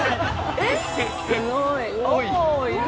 えっ、すごいいる。